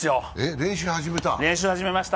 練習始めました。